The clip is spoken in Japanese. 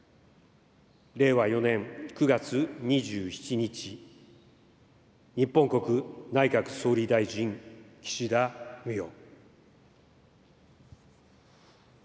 令和４年９月２７日、日本国内閣総理大臣、岸田文雄。